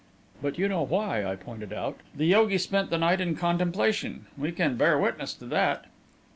"But you know why," I pointed out. "The yogi spent the night in contemplation. We can bear witness to that."